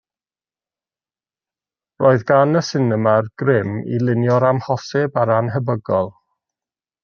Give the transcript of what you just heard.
Roedd gan y sinema'r grym i lunio'r amhosib a'r annhebygol